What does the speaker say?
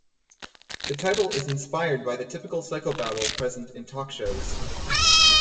The title is inspired by the "typical psychobabble" present in talk shows.